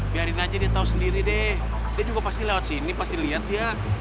biarin aja dia tahu sendiri deh dia juga pasti lewat sini pasti lihat dia